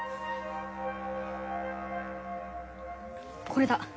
これだ。